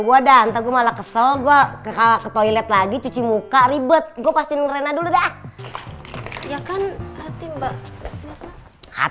gue dah ntar gue malah kesel gue ke toilet lagi cuci muka ribet gue pastiin rena dulu dah